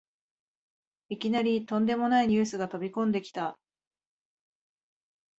いきなりとんでもないニュースが飛びこんできた